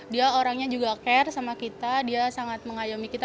dia orangnya juga care sama kita dia sangat mengayomi kita